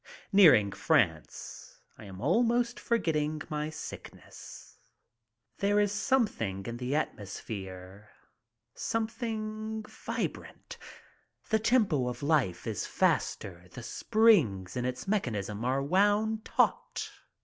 Nearing France, I am almost forgetting my sickness. There is something in the atmosphere. Something vibrant. The tempo of life is faster. The springs in its mechanism are wound taut.